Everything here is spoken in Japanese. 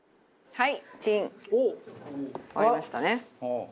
はい。